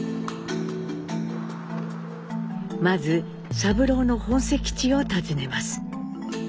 まず三郎の本籍地を訪ねます。